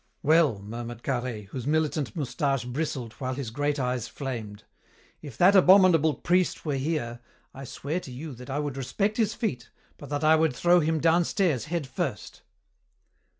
"Well," murmured Carhaix, whose militant moustache bristled while his great eyes flamed, "if that abominable priest were here, I swear to you that I would respect his feet, but that I would throw him downstairs head first."